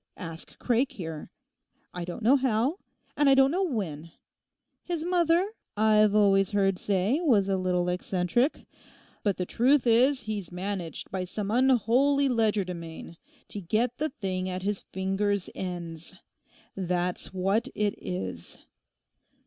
Ask Craik here. I don't know how, and I don't know when: his mother, I've always heard say, was a little eccentric; but the truth is he's managed by some unholy legerdemain to get the thing at his finger's ends; that's what it is.